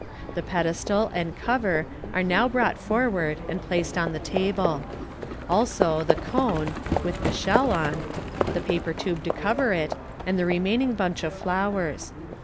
The pedestal and cover are now brought forward and placed on the table ; also the cone (with the shell on), the paper tube to cover it, and the remaining bunch of flowers.